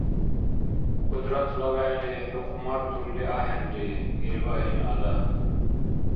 Кьудратла вегӏли хӏу хъумартурли ахӏенри, Ирбагьин–ада...